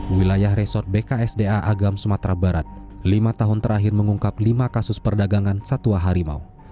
wilayah resort bksda agam sumatera barat lima tahun terakhir mengungkap lima kasus perdagangan satwa harimau